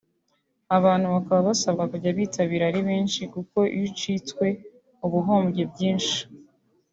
Abantu bakaba basabwa kujya bitabira ari benshi kuko iyo ucitswe uba uhombye byinshi